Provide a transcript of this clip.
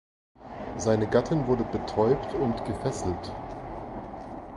Seine Gattin wurde betäubt und gefesselt.